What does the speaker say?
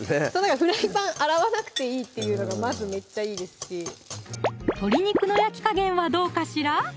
フライパン洗わなくていいっていうのがまずめっちゃいいですし鶏肉の焼き加減はどうかしら？